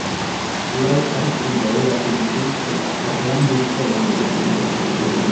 Lau arku beheratu ditu eta harlanduzko lana da.